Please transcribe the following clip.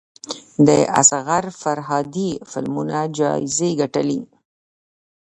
د اصغر فرهادي فلمونه جایزې ګټلي.